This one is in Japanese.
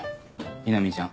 南ちゃん